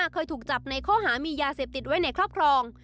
เคยถูกจับในข้อหามียาเสพติดไว้ในครอบครอง